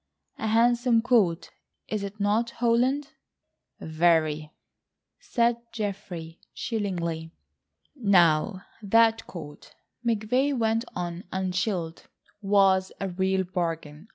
A handsome coat, is it not, Holland?" "Very," said Geoffrey chillingly. "Now that coat," McVay went on unchilled, "was a real bargain.